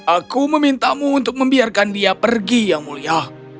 aku memintamu untuk membiarkan dia pergi yang mulia